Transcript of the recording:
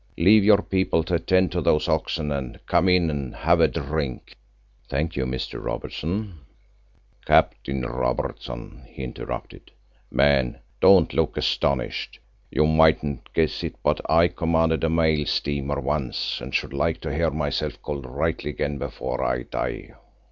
Leave your people to attend to those oxen and come in and have a drink." "Thank you, Mr. Robertson——" "Captain Robertson," he interrupted. "Man, don't look astonished. You mightn't guess it, but I commanded a mail steamer once and should like to hear myself called rightly again before I die."